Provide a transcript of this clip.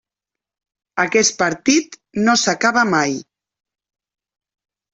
Aquest partit no s'acaba mai.